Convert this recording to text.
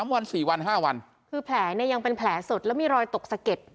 วัน๔วัน๕วันคือแผลเนี่ยยังเป็นแผลสดแล้วมีรอยตกสะเก็ด